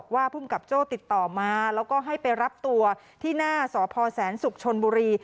ภูมิกับโจ้ติดต่อมาแล้วก็ให้ไปรับตัวที่หน้าสพแสนศุกร์ชนบุรี